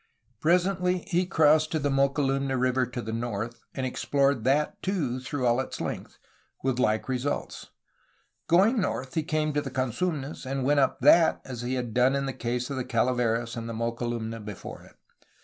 Presently he crossed to the Mokelumne River to the north, and explored that too through all its length, with like re sults. Going north he came to the Cosumnes, and went up that as he had done in the case of the Calaveras and the Mokelumne before it.